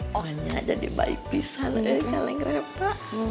pokoknya jadi bayi pisang ya kalian keren pak